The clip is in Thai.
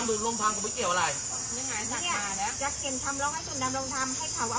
ศูนย์ดำรงทำก็ไม่เกี่ยวอะไรจะเขียนคำเลาะให้ศูนย์ดำรงทำให้ข่าวเอา